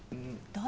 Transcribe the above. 誰？